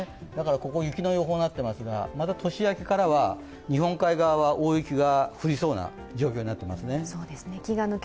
ここ、雪の予報になっていますが年明けからは日本海側は大雪が降りそうな状況になっています。